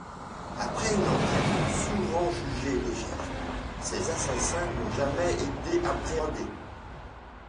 Après une enquête, souvent jugée légère, ses assassins n'ont jamais été appréhendés.